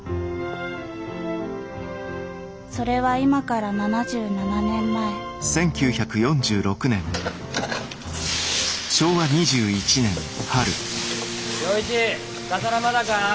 それは今から７７年前今日一ササラまだか？